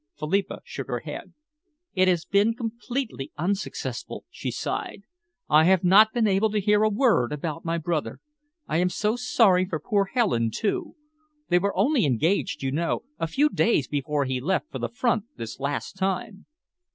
Philippa shook her head. "It has been completely unsuccessful," she sighed. "I have not been able to hear a word about my brother. I am so sorry for poor Helen, too. They were only engaged, you know, a few days before he left for the front this last time."